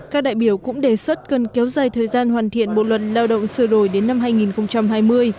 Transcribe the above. các đại biểu cũng đề xuất cần kéo dài thời gian hoàn thiện bộ luật lao động sửa đổi đến năm hai nghìn hai mươi